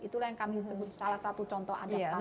itulah yang kami sebut salah satu contoh adaptasi